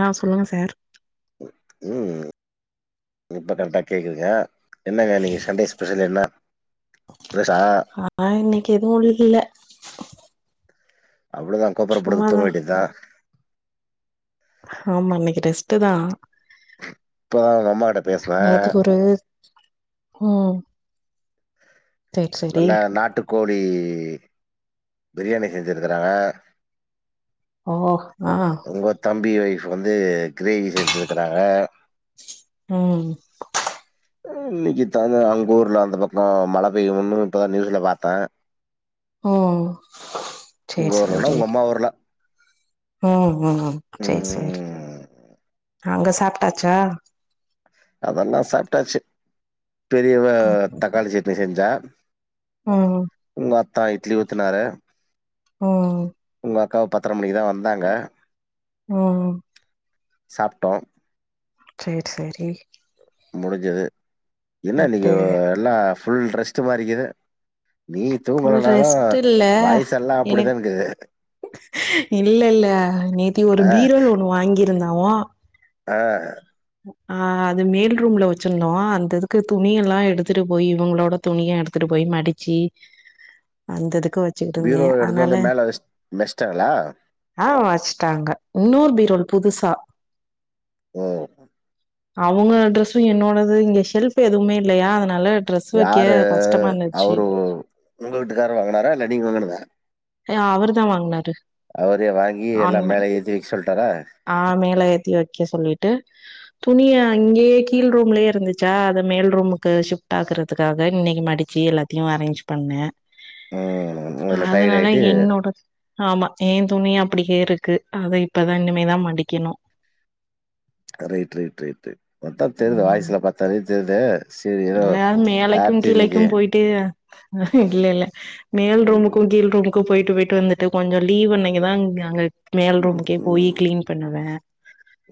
ஆ சொல்லுங்க சார் உம் இப்ப கரெக்டா கேக்குதுங்யா என்னகா இன்னிக்கு சண்டே ஸ்பெஷல் என்னா ஆ ஆ இன்னிக்கு எதுவு இல்ல அவ்ளோதா கொப்பற படுத்து தூங்க சும்மாதான் வேண்டிதா ஆமா இன்னிக்கு ரெஸ்ட்டுதா இப்பதா உங்க அம்மா கிட்ட பேசுவே உம் நல்லா நாட்டு கோழி பிரியாணி செஞ்சிருக்குறாங்க ஓ ஆ ப்ப வந்து கிரேவி செஞ்சிருக்குறாங்க உம் உ இன்னிக்குதாங் அவுங் கூர்ல அந்த பக்கோ மழ பெய்யும்னு இப்பதா நியூஸ்ல பாத்தே உம் செரி உங்க ஊர்லனா செரி உங்க அம்மா ஊர்ல உம் உம் செரி செரி ம் அங்க சாப்ட்டாச்சா அதெல்லா சாப்ட்டாச்சு பெரியவ தக்காளி சட்னி செஞ் தா ஆ தா இட்லி ஊத்துனாரு ஆ உ அக்கா பத்தர மணிக்குதா உம் சாப்ட்டோ செர் செரி முடிஞ்சுது என்ன நீங்க எல்லா ச் ஃபுல்ரெஸ்ட்டு மாறிக்குது நீ ஃபுல் தூங்கலனாலும், ரெஸ்ட் இல்ல வயசு எல்லா எனக்கு அப்படிதான் இருக்குது. இல்ல இல்ல நேத்தி ஒரு ஆ பீரோல் ஒன்னு வாங்கி இருந்தா ஓ அஹ் ஆஹ் அது மேல் ரூம்ல வச்சிருந்தோ, அந்த இதுக்கு துணி எல்லா எடுத்துட்டு போய், இவங்களோட துணிய எடுத்துட்டு போய் மடிச்சி, அந்ததுக் துவச்சுக்கிட்டு பீரோ இருந்தேன், எடுத்துட்டு அதனால வந்து மேல வச் வச்ட்டாங்களா? ஆ வச்சுட்டாங்க இன்னொரு பீரோல் புதுசா ஓஹ் அவங்க ட்ரெஸ்ஸும் என்னோடது இங்க ஷெல்ஃப் எதுவுமே இல்லையா அதனால ட்ரெஸ் வைக்க யாரு கஷ்டமா இருந்துச்சு அவரு ஏ உங்க வீட்டுக்காரர்வாங்குனாரா, இல்ல நீங்க வாங்கினதா ய அவர்தான் வாங்னாரு அவரே வாங்கி எல்லா மேல ஏத்திவைக்க சொல்லிட்டாரா ஆ மேல ஏத்தி வைக்க சொல்லிட்டு துணிய அங்கேயே கீழ் ரூம்ல இருந்துச்சா, அதமேல் ரூமுக்கு ஷிஃப்ட் ஆகுறதுக்காக இன்னைக்கு மடிச்சு எல்லாத்தையு அரேஞ்ச் பண்ணே ம் அதுல டயர்ட் அதனால ஆயிட்டு என்னோட ஆமா ஏன் துணி அப்டியே இருக்கு, அத இப்பதா இனிமேதா மடிக்கணு ரைட் ரைட் ரைட்டு பாத்தாதெரியுது வாய்ஸ்ல பாத்தாலே தெருதே இல்ல மேலேக்கும் கீழேக்கும் போயிட்டு இல்ல இல்ல மேல் ரூம்முக்கு ம் கீழ் ரூம் கு போயிட்டு போயிட்டு வந்துட்டு, கொஞ்சொ லீவ் நீங்க தான்ங்க அங்க மேல் ம் ரூமுக்கே போய் ம் கிளீன் பண்ணுவே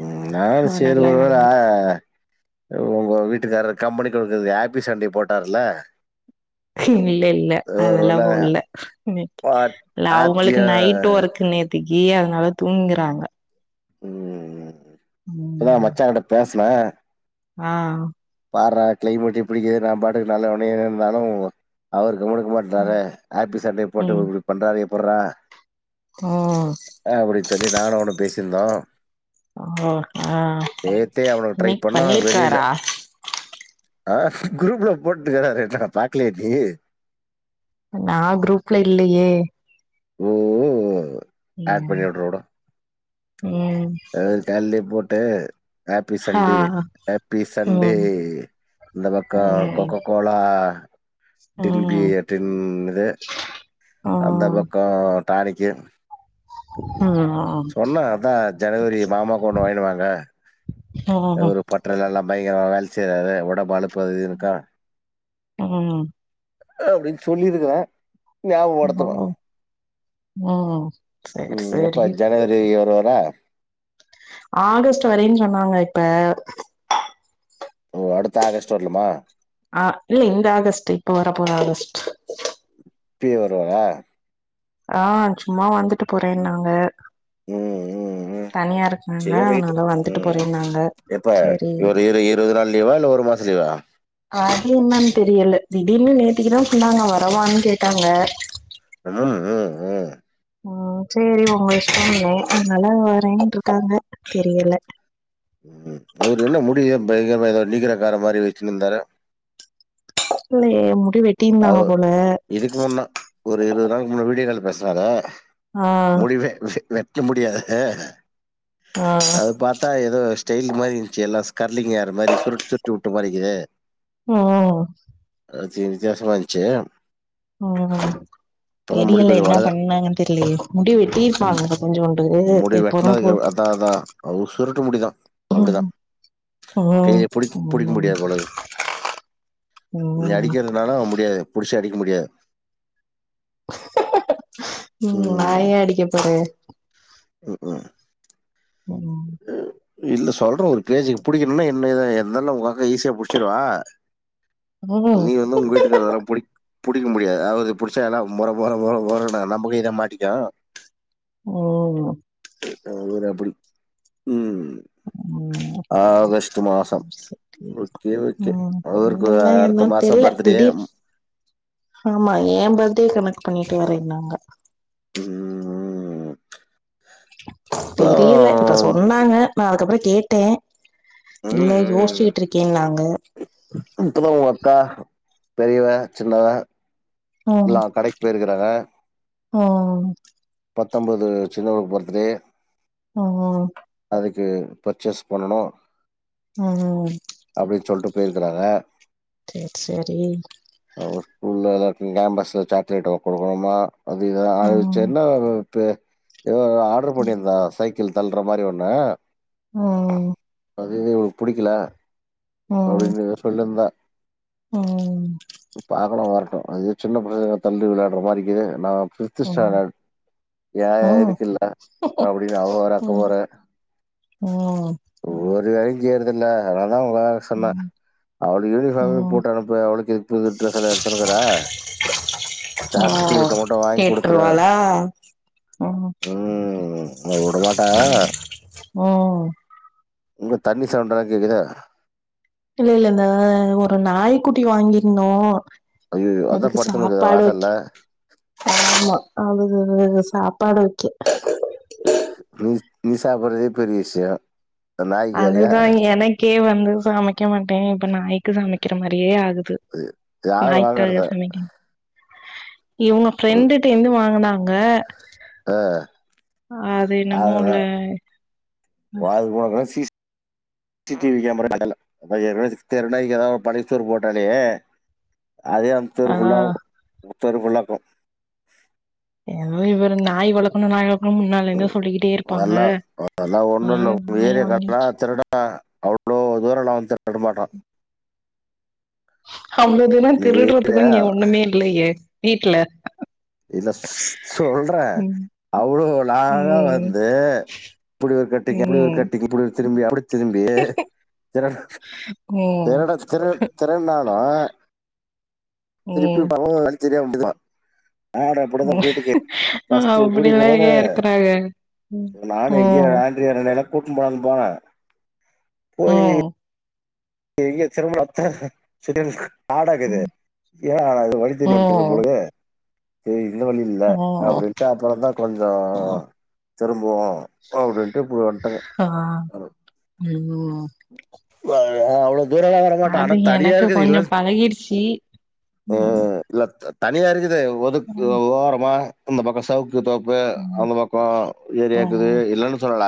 உம் நானு சேரி அதனால ஒருவேள வந்துருக்கு உங்க வீட்டுக்கார கம்பெனி கேக்குது ஆப்பிஸ் சண்டை போட்டார்ல இல்ல இல்ல அதெல்லா ஒருவேளை போடல இன்னிக் பா- இல்ல ஆத்திய அவங்களுக்கு நைட் ஒர்க் நேத்தக்கி இல்ல அதனால தூங்குறாங்க உஹ் இப்பதா மச்சான்கிட்ட பேச் ல ஆஹ் பார்ரா கிளைமேட் எப்டி இருக்கு, நா பாட்டுக்கு நல்லவனையே இருந்தாலு அவரு உங்களுக்கு மட்டும் தாரேன் ஆப்பி சண்டையை ம் போட்டுபண்றா ப்புற ஓ அ அப்டி சொல்லி நானு அவனு பேசு தெரிதா ஆ அ அவனுக்கு ட்ரை இன்னிக் பண்ணிர்க்காறா ஆ குரூப்ல போட்டுக்கிறாறே என்ன பாக்லயா நீ நா குரூப்ல இல்லயே உம் உ அட் பண்ணி விட்டுருவோ உடு ம் அது வேற கால்லேயே போட் ட்ட ஹாப்பி ஆ சண்டே ஹாப்பி சண்டே ம் இந்த பக்கோ ம் கொக்கக் கோலா டின் பி ம் ம் ஏ டின் இது அந்த பக்கோ டானிக்கு ஷ சொன்னே அதா ஜனவரி மாமாக்கு ஒண்ணு வாங்கினுவாங்க ம் ஒரு பற்றல எல்லா பயங்கரமா வேல செய்றாறு ஒடம்பு அலுப் உஹ் அப்டின்னு சொல்லிருக்றே ஞாபடத்துங்க ம் ம் சேரி உம் எப்ப சேரி ஜனவரி வ தொரா ஆகஸ்ட் வரென்னு சொன்னாங்க இப்ப ஓ அடுத்த ஆகஸ்ட் வர்லமா ஆஹ் இல்ல இந்த ஆகஸ்ட் இப்ப வரப்போற ஆகஸ்ட் பி வருவரா ஆஹ் சும்மா வந்துட்டு போறேன் நாங்க ம் ம் ம் தனியா இருக்கனாங்க சேரி ரைட்டு அதனால வந்துட்டு ம் போரேன்னாங்க எப்ப சரி இவரு இரு இருவது நாள் லீவா இல்ல ஒரு மாச லீவா ஆது என்னன்னு தெரியல திடீர்னு நேத்திகி தா சொன்னாங்க வரவான்னு கேட்டாங்க உஹ் ஆஹ் சரி உங்க இஷ்டம்ன்ன அனாலா வரேன்ட்ருக்காங்க தெரியல உம் அவரு என்ன முடிய பயங்கரமா ஏதாவது நீக்கிறக்கார மாரி வச்சுன்னு இருந்தாரு இல்லையே மு அ இதுக்கு முன்னா ஒரு இருவது நாள்க்கு முன்ன வீடியோ கால்ல பேச் னாரு ஆ முடிவே வெஹ் வெ க்க முடியா ஹ ஆ அது பாத்தா ஏதோ ஸ்டைல் மாரி இருஞ்ச்சு எல்லாச் கர்லிங் ஹேர் மாரி சுருட்டு சுருட்டு விட்டு மாரிக்கு ஹ து வித்யாசமா இருந்ச்சு உஹ்ம் தெரியல கொஞ்சம் என்ன வளர பண்ணாங்கன்னு தெரிலயே முடிவு ம் வெட்டியிருப்பாங்க கொஞ்சோ முடி வெட்னது அதா அதா உ சுருட்டு முடிதா அப்டிதா ம் ம் கையில புடி புடிக்க ம் முடியாது போல இருக்கு நீ ம் அடிக்கிறதுனால முடியாது புடி சு அடிக்க முடியாது உம் நா ஏ அடிக்க போறே உ உம் உம் இல்ல சொல்றே ஒரு பேச்சிக்கு புடிக்கணும்ன்னா என்ன இத என்னல்ல ஒக ஈஸியா புடிச்சிருவா ம் நீ வந்து உங்க வீட்டுக்காரல்லாம் புடிக் புடிக்க முடியாது அவரு புடி அதலா முர முர முரடே நம்ம கை தா மாட்டிக்கு உம் உம் ம் ஆகஸ்ட் மாசம் சரி ஓகே ஓகே அவருக்கு வேரத் தெரில திடீர் ஆமா ஏ பர்த் டி கனெக்ட் பண்ணிட்டு வரேனாங்க உம் உம் தெரியல இப்ப சொன்னாங்க நா அதுக்கப்பறோ கேட்டே ம், இல்ல ம். யோசிச்சுகிட்டு இருக்கே நாங்க இப்பதான் உங்க அக்கா, பெரியவ சின்னவ இலா கடைக் போயிருக்குறாங்க உம் பத்தொம்பது சின்னவ பர்த்டே உம் க்கு பர்ச்சேஸ் பண்ணணு ம் ஹு போயிருக்குறாங்க அவ ஸ்கூல்லலா ஃகேம்பஸ்ல சாக்லேட்டு குடுக்கணுமா அது இத ம் ஆயச்சேர் வு ஃபே எதோ ஆட்ரு ம் பண்ணியிருந்தா சைக் திள் தள்ற மாரி ஒண்ணு ம் அதுது உனக்கு புடிக்கல ம் [unintelligible] சொல்லி இருந்தா ம் ம் பாக்கலா வரட்டு அது சின்ன ப்ரச்சனை தள்ளி விளாடுற மாரிக்குது நா பிருத்திஷ்டாளன் யா யா ம் இருக்குல்ல அப்டினு அவ வேற அக்கப்போரு ம் ஒரு வேலையுஞ் செய்றதுல்ல அதனால அதா உங்கள சொன்ன ம் அவள யூனிஃபார்மே ம் போட்டு அனுப்பு அவளுக்கு எதுக் புது ட்ரெஸ்லா எடுத்துனுக்குற ஆ சாக்லேட் மட்டு வாய்ங் குடுத்துரு கேட்ருவாளா ம் உம் வுடமாட்டா ம் உங்க தண்ணி சவுடல்லா கேக்குதே இல்ல இல்ல இந்த ஒரு நாய்க்குட்டி வாங்கி இருந்தோ ஐயையோ அதா அதுக்கு படுத்துனுக்குது சாப்பாடு வாசல்ல வக்கெ ஆமா அவது சாப்பாடு வக்கெ நீ நீ சாப்பறதே பெரிய விஷய அதுதா எனக்கே வந்து சமைக்க மாட்ட இப்ப நாய்க்கு சமைக் க்ற மாரியே ஆகுது யார் வாங்கறது இவுங்க ஃப்ரெண்டுட்ட இருந்து வாங்குனாங்க ஆ அது என்னமோல [unintelligible] சீஷ் C C T V camera அதுல [unintelligible] தெரு நாய்க் எதாது பழைய சோறு போட்டாலே அதே அந்த தெரு ஆ ஃபுல்லாவு தெரு ஃபுல்லாக்கு ஏதோ இவரு நாய் வளக்கனு நாய் வளக் ம் அதெல்லா அதெல்லா ஒண்ணுல்ல அதனால உங்க நாய ஏரியாக்காருலா வாங்கியாச்சு திருட அவ்ளோ தூரலா வந்து திருட மாட்டா அவ்ளோ தூர உங்க திருடறதுக்கு ஏரியா இங்க ஒண்ணுமே இல்லையே வீட்ல இல்ல சொல்ற ம் அவ்ளோ லாங்கா ம் வந்து இப்டி ஒரு கட்டிங் இப்டி ஒரு ம் கட்டிங் இப்டி ஒரு திரும்பி அப்டி திரும்பி திரட ம் திரட திரு திருனாளு திருப்பி போ தெரியாம நிப்பா ஆ கூட்டிட்டு அப்டிலா எங்க போம்போது இருக்றாக ம் கூட்டுனு போலானு போன போயி ம் எங்க திரும்பனத்தா காடாக்குது என்னடா இது வழி தவறி வந்துட்டம் ம் போலக்குது தேய் இந்த வழி இல்ல ம் அப்டின்ட்டு அப்றந்தா கொஞ்ச ம் திரும் போவோ அப்படின்ட்டு இப் வன்ட்ட ஆ ம் ஆ வேறெவ்ள ஊரலா வரமாட்டா ஆனா அது தனியா எனக்கு இருக்குது இல்ல கொஞ்சோ பழகிடுச்சு ம் இல்ல த தனியா இருக்குது ஒதுக் ம் ஓரமா அந்த பக்கோ சிவப் பு தோப்பு ம் அந்த பக்கோ ஏரியா இக்குது ம் இல்லனு சொல்லல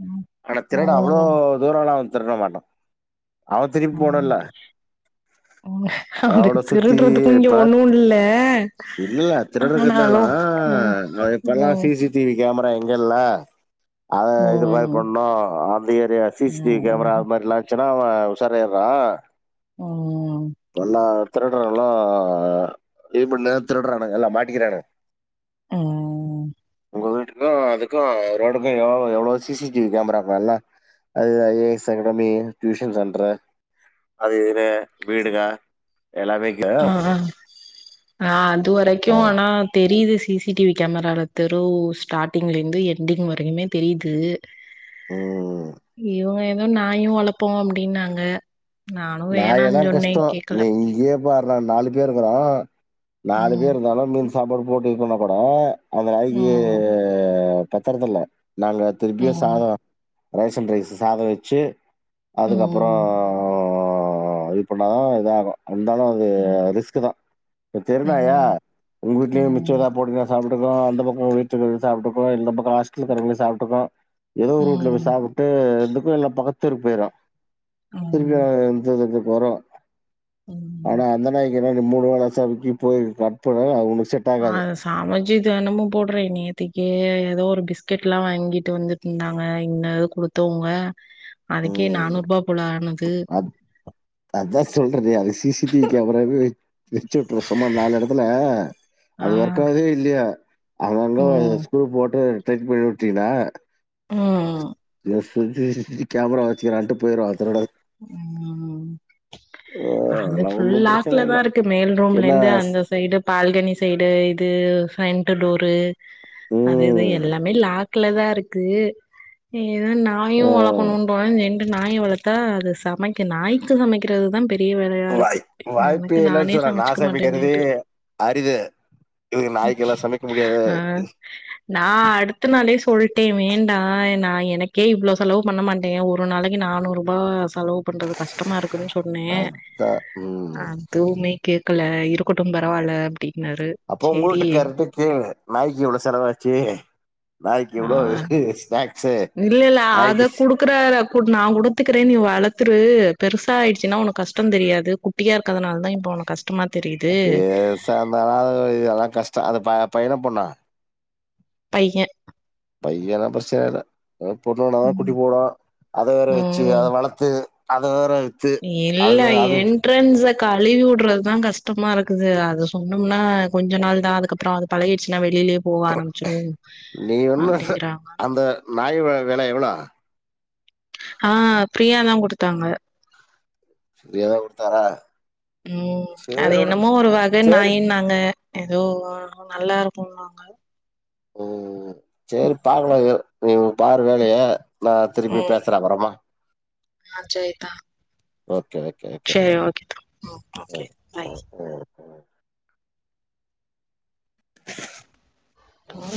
ம் ஆனா திருட அவ்ளோ ம் தூரல்லா திருட மாட்டா அவ திருப்பி ம் போடுல்ல அவனுக்கு அவள திருடறதுக்கு இங்க ஒண்ணுல்ல இல்ல இல்ல திருடறதுக்கு ம் வந்தாலூ இப்பெல்லா ம் சிசிடிவி கேமரா எங்க இல்ல அத இது மாதிரி ம் பண்ணு இல்லயே யா சிசிடிவி கேமரா ம் அந்த மாரி எல்லா வெச் ஆமா உஷார் ஆயிர்ரோ உஹம் திருடர் எல்லா ஆ இம்புட் நேர் திருடறானுங்க எல்லா மாட்டிக்கிறான்ங். ம் உங்க வீட்டுக்கு அதுக்கு ரோடுக்கு எவ்வோ எவ்வளோ சிசிடிவி கேமரா இருக்ல்ல அது I A S academy tuition centre அது இது வீடுக எல்லா வீட்லயு ஆஹ் அது வரைக்கு ஆனா தெரியுது சிசிடிவி கேமராவில் தெரு ஸ்டார்ட்டிங்லருந்து எண்டிங் வரைக்குமே தெரியுது. ம். இவன் வேற ம் நாயு வளரப்போ அப்படினாங்க. நா எல்லா கஷ்டோ நீ இங்யே பார்டா நாலு பேர் இருக்குறோ நாலு பேர் இருந்தாலு மீன் சாப்பாடு போட்டுபோனாக் கூட அந்த நாய்க்கு பத்தறதுல்ல நல்லா திருப்பியு சாதோ ரேஷன் ரைஸ் சாதோ வெச்சு அதுக்கப்புறோ உ இப்பனா இதாகு இருந்தாலு அது ரிஸ்குதா தெருணாயா உங்க வீட்லயு மிச்சோ ஏதா போட்டீங்னா சாப் அந்த பக்கோ ஒரு வீட்ல இருக்கிறவங்க சாப்பிட்டப்போ இந்த பக்கோ ஹாஸ்டல இருக்கிறவங்க சாப்பிட்டப்போ எதோ வூட்ல போய் சாப்பிட்டு எந்துக் எல்லா பக் தெருப்பேரா [unintelligible] ஜுரோ ஆனா அந்த நாய் என்னா மூணு வேல [unintelligible] பத்து நாளா அவனு ஆஹ் சமச்சி தெனமும் போட்ற இன்நேத்திக்கே ஏதோ ஒரு பிஸ்கெட்லாம் வாங்கிட்டு வந்து தின்னாங்க இன்னதோ குடுத்தவங்க அதுக்கே ம் நானூறு ரூபா போல ஆனது சொல்றதே அது சிசிடிவி கேமராவே வெச்சு விட்றுவே சும்மாவே நாலு எடத்துல, ஆ, அது ஒர்க்காவுதோ இல்லையோ அங்கங்க ம், வருது ஸ்கூல் போட்டு [unintelligible] பண்ணி விட்டீங்ளா ம் சுத்தி சுத்தி கேமரா வெச்சிக்கிறான்ட்டு போயிருவான் திரு உம். ஆ அது அதெல்லா ப்ச் ஃபுல் ஒன்னு பிரச்சன லாக்குலதா இல்ல இருக்கு மேல் ரூம்ல என்ன இருந்து அந்த சைடு பால்கனி சைடு இது ஃப்ரண்ட் லூரு அது இது ம் எல்லாமே லா க்லதா இருக்கு இ து நாயு ஆ வளக்கணுன்றாங்க எ நாய் வளத்தா இது சமைக்க நாய்க்கு சமைக்கிறதுதான் பெ ரிய வேலயா இருக்கு வாய் எனக்கு வாய்ப்பே இல்லன்னு நானே சொல்ல நா சமைச்சுக்க சமைக்கிறதே மாட்டேனேன்ட்டார். அரிது இது நாய்க்கெல்லா சமைக்க முடியாது ஆ நா அடுத்த நாளே சொல்ட்டேன் வேண்டா நா எ எனக்கே இவ்ளோ செலவு பண்ண மாட்டியா ஒரு நாளைக்கு நானூறு ரூபா ஹலோ பண்றது கஷ்டமா இருக்குனு சொன்னே அதா ம் அதுவுமே கே கல்ல இருக்கட்டும் பாரா அல்ல எப்டி அப்போ உங்கள்ட்டு காரட்ட கேளு நாய்க்கி இவ்ளோ செலவாச்சு நாய்க்கி இவ்ளோ ஆ ஸ்நெக் இல்ல இல்ல அத குடுக்கறத நா குடுத்துக்கறேன் நீ வளத்துரு பெருசா ஆயிடுச்சுன்னா உனக்கு கஷ்டோந் தெரியாது குட்டியா இரு பேசாம இருதாலா கஷ்டோ அது பைய்ணா, பொண்ணா. பையன் பையனா பிரசச்சன இல்ல பொண்ணுனாதா குட்டி ம் போடு அத வேற வெச்சு ம். அத வளத்து அது வேற வித்து இல்ல அது அது என்ட்ரன்ஸ் கழுவிவுறதுதா கஷ்டமா இருக்குது அது சொன்னோம்னா கொஞ்ச நாள் தா அதுக்கப்புறம் அது பழகிச்சனாவே நீ எண்ண அப்டிங்கறாங்க அந்த நாய் வளக்கல எவ்ளோ ஆஹ் ஃபிரியாதான் கொடுத்தாங்க ஏதோ குடுத்தாரா? உம் சரி அது விடு என்னமோ ஒரு வகை சரி நாயினாங்க ஏதோ நல்லா இருக்கும்னாங்க ஓஹ் சரி பாக்கலாங்க நீங்க பாரு வேலைய நா திருப்பி ம் பேசுறே அப்பறமா ஆ சரிதா ஓகே ஓகே ஓகே சரி ஓகே தா ஓகே ம் பாய் ஓகே ம்ஹ் உம்